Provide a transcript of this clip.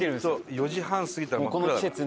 ４時半過ぎたら真っ暗だから。